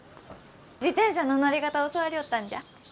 自転車の乗り方教わりょうったんじゃ。